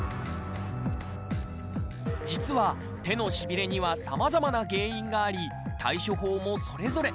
実は手のしびれにはさまざまな原因があり対処法もそれぞれ。